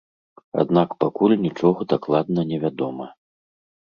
Аднак пакуль нічога дакладна не вядома.